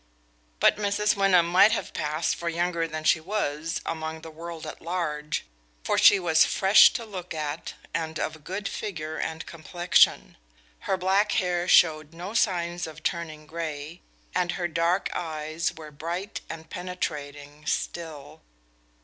But Mrs. Wyndham might have passed for younger than she was among the world at large, for she was fresh to look at, and of good figure and complexion. Her black hair showed no signs of turning gray, and her dark eyes were bright and penetrating still.